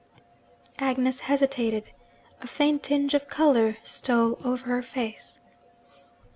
Agnes hesitated. A faint tinge of colour stole over her face.